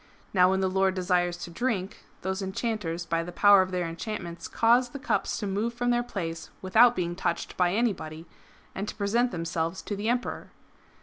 Now when the Lord desires to drink, these enchanters by the power of their enchantments cause the cups to move from their place without being touched by any body, and to present themselves to the Emperor